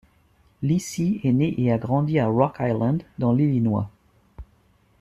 Lissie est née et a grandi à Rock Island dans l'Illinois.